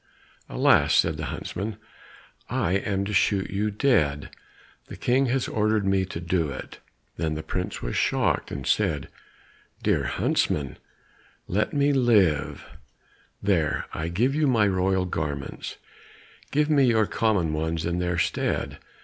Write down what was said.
"Alas!" said the huntsman, "I am to shoot you dead, the King has ordered me to do it." Then the prince was shocked, and said, "Dear huntsman, let me live; there, I give you my royal garments; give me your common ones in their stead."